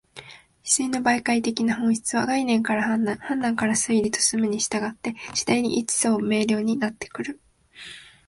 思惟の媒介的な本質は、概念から判断、判断から推理と進むに従って、次第に一層明瞭になってくる。